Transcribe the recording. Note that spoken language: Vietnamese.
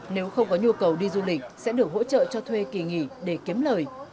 nếu không có nhu cầu đi du lịch sẽ được hỗ trợ cho thuê kỳ nghỉ để kiếm lời